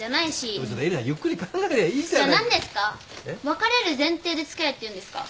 別れる前提で付き合えっていうんですか？